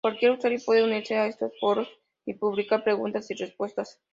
Cualquier usuario puede unirse a estos foros y publicar preguntas y respuestas.